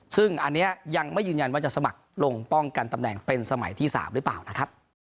ซึ่งอันนี้ยังไม่ยืนยันว่าจะสมัครลงป้องกันตำแหน่งเป็นสมัยที่๓หรือเปล่านะครับ